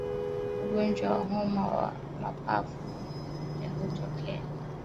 Ugonjwa wa homa ya mapafu hutokea